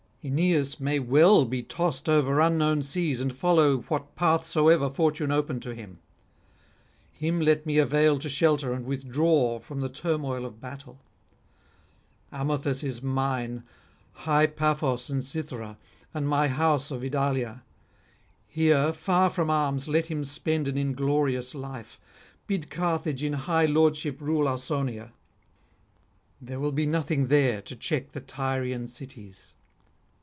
Aeneas may well be tossed over unknown seas and follow what path soever fortune open to him; him let me avail to shelter and withdraw from the turmoil of battle. Amathus is mine, high Paphos and Cythera, and my house of Idalia; here, far from arms, let him spend an inglorious life. Bid Carthage in high lordship rule Ausonia; there will be nothing there to check the Tyrian cities.